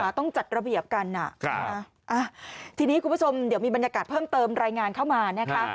ต้องจัดระเบียบกันทีนี้คุณผู้ชมเดี๋ยวมีบรรยากาศเพิ่มเติมรายงานเข้ามานะคะ